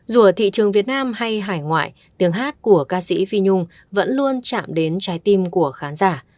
dù ở thị trường việt nam hay hải ngoại tiếng hát của ca sĩ phi nhung vẫn luôn chạm đến trái tim của khán giả